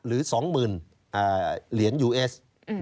หรือสองหมื่นเหรียญยูเอส